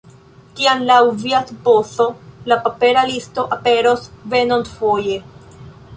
Kiam laŭ via supozo la papera listo aperos venontfoje?